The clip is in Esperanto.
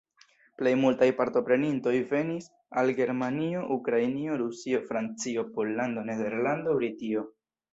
Plej multaj partoprenintoj venis el Germanio, Ukrainio, Rusio, Francio, Pollando, Nederlando, Britio.